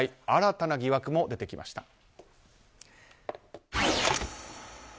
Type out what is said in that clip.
新たな疑惑も出てきました。